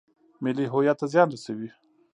ملي هویت ته زیان رسوي.